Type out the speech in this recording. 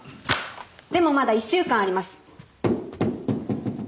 でもまだ１週間あります。